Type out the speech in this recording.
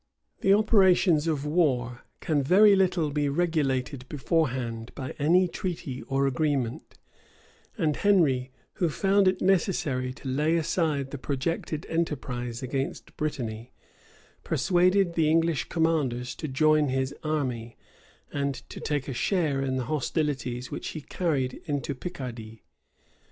The operations of war can very little be regulated beforehand by any treaty or agreement; and Henry, who found it necessary to lay aside the projected enterprise against Brittany, persuaded the English commanders to join his army, and to take a share in the hostilities which he carried into Picardy.